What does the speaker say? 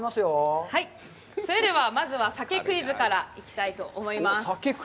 それでは、まずは鮭クイズからいきたいと思います。